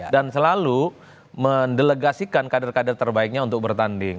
dan selalu mendelegasikan kader kader terbaiknya untuk bertanding